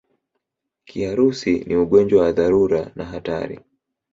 Kiharusi ni ugonjwa wa dharura na hatari